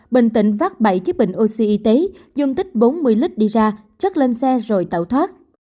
bình tĩnh phát bảy chiếc bình oxy y tế dung tích bốn mươi lít đi ra chất lên xe rồi tẩu thoát